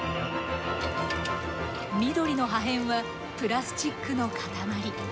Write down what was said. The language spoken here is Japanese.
緑の破片はプラスチックの塊。